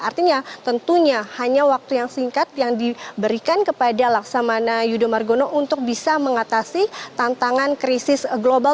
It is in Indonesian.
artinya tentunya hanya waktu yang singkat yang diberikan kepada laksamana yudho margono untuk bisa mengatasi tantangan krisis global